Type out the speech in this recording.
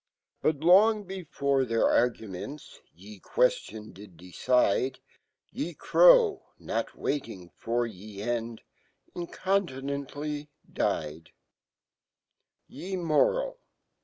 But Jong bcf ore their arguments y c question did decide, Y e Crow, notwalting fbp y e end, incontinently died r (// apparent